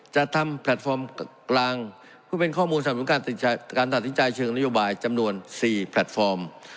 จะทำแพลตฟอร์มกลางเพื่อเป็นข้อมูลสนับหนุนการตัดสินใจเชิงนโยบายจำนวน๔แพลตฟอร์ม